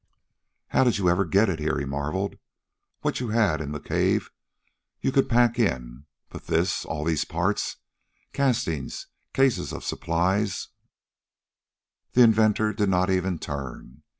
"How did you ever get it here?" he marveled. "What you had in the cave you could pack in, but this all these parts castings cases of supplies " The inventor did not even turn.